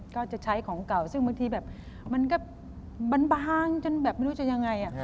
ก็จะใช้ของเก่าซึ่งบางทีแบบมันก็บางจนแบบไม่รู้จะยังไง